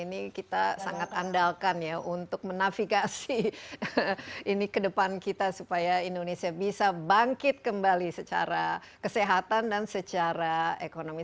ini kita sangat andalkan ya untuk menafigasi ini ke depan kita supaya indonesia bisa bangkit kembali secara kesehatan dan secara ekonomi